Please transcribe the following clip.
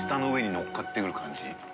のっかってくる感じ。